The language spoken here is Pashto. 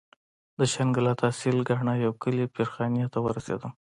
د شانګله تحصيل کاڼه يو کلي پير خاني ته ورسېدم.